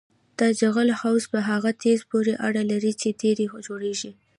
د جغل خواص په هغه تیږه پورې اړه لري چې ترې جوړیږي